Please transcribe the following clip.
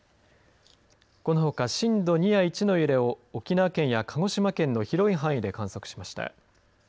このほか、震度２や１の揺れを沖縄県や鹿児島県の広い範囲で観測しました。